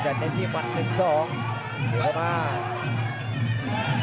จัดจัดในที่มัน๑๒